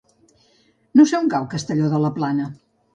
No sé on cau Castelló de la Plana.